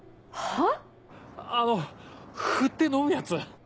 あの振って飲むやつ。